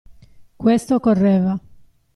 Questo occorreva.